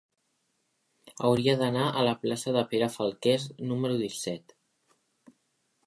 Hauria d'anar a la plaça de Pere Falqués número disset.